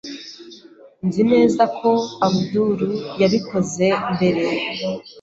Nzi neza ko Abdul yabikoze mbere.